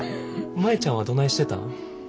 舞ちゃんはどないしてたん？